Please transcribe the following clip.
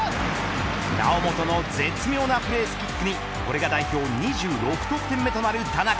猶本の絶妙なプレースキックにこれが代表２６得点目となる田中。